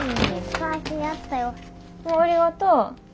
ありがとう。